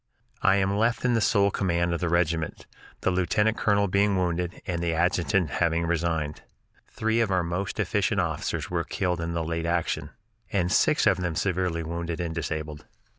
I am left in sole command of the regiment, the lieutenant colonel being wounded and the adjutant having resigned. Three of our most efficient officers were killed in the late action, and six of them severely wounded and disabled.